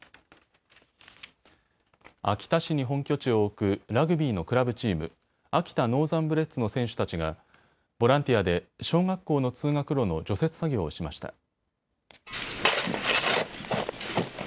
秋田市に本拠地を置くラグビーのクラブチーム、秋田ノーザンブレッツの選手たちがボランティアで小学校の通学路の除雪作業をしました。